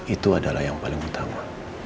itu adalah yang paling utama